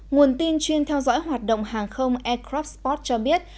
nguồn tin chuyên theo dõi hoạt động hàng không aircraft sport cho biết